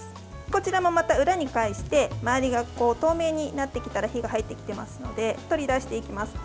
こちらもまた裏に返して周りが透明になってきたら火が入ってきていますので取り出していきます。